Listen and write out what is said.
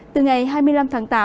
từ ngày hai mươi năm tháng tám